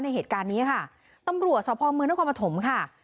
เหตุการณ์นี้ค่ะตำรวจสภเมืองนครปฐมค่ะ